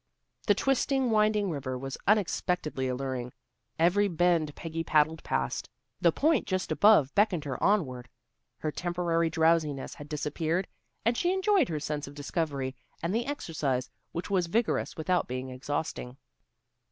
The twisting, winding river was unexpectedly alluring. Every bend Peggy paddled past, the point just above beckoned her onward. Her temporary drowsiness had disappeared, and she enjoyed her sense of discovery and the exercise which was vigorous without being exhausting.